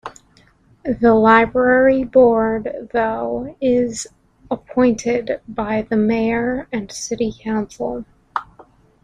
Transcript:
The library board though is appointed by the mayor and city council.